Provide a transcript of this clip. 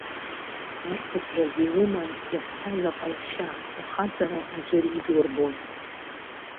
Уарԥысраз иуман иахәҭаз аҟазшьа, ухаҵара аӡәыр идурбон.